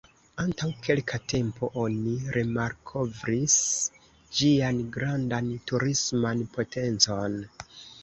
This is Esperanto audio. Antaŭ kelka tempo oni remalkovris ĝian grandan turisman potencon.